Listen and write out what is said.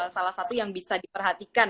salah satu yang bisa diperhatikan